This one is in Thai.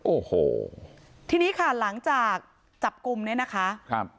โอ้โหทีนี้ค่ะหลังจากจับกลุ่มเนี่ยนะคะครับ